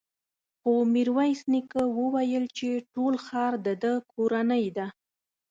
خو ميرويس نيکه وويل چې ټول ښار د ده کورنۍ ده.